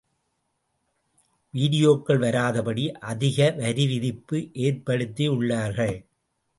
வீடியோக்கள் வராதபடி அதிக வரிவிதிப்பு ஏற்படுத்தியுள்ளார்கள்.